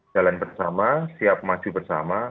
jalan bersama siap maju bersama